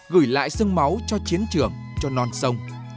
gửi lại sương máu cho chiến trường cho non sông